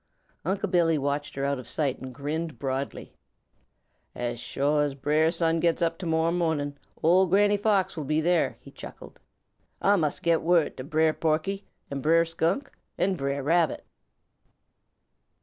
Unc' Billy watched her out of sight and grinned broadly. "As sho' as Brer Sun gets up to morrow mo'ning, Ol' Granny Fox will be there," he chuckled. "Ah must get word to Brer Porky and Brer Skunk and Brer Rabbit."